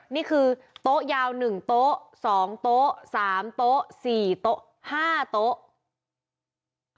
นี่คือโต๊ะยาวหนึ่งโต๊ะสองโต๊ะสามโต๊ะสี่โต๊ะห้าโต๊ะ